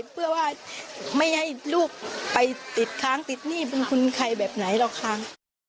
เพื่อว่าไม่ให้ลูกไปติดค้างติดหนี้เป็นคุณใครแบบไหนหรอกค้าง